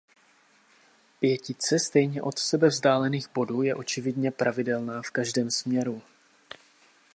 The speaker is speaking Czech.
Pětice stejně od sebe vzdálených bodů je očividně pravidelná v každém směru.